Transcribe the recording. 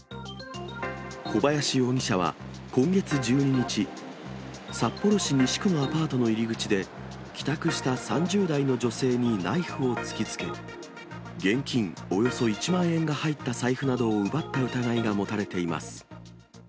小林容疑者は今月１２日、札幌市西区のアパートの入り口で、帰宅した３０代の女性にナイフを突きつけ、現金およそ１万円が入った財布などを奪った疑いが持たれています。